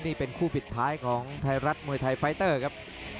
นี่เป็นคู่ปิดท้ายของไทยรัฐมวยไทยไฟเตอร์ครับ